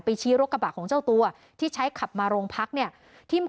วันตอน๓ทุ่มเดี๋ยวโทรไปเป็นไง